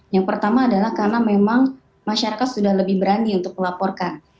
yang pertama adalah karena memang masyarakat sudah lebih berani untuk melaporkan